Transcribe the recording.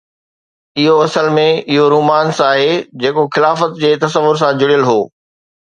اهو اصل ۾ اهو رومانس آهي جيڪو خلافت جي تصور سان جڙيل هو.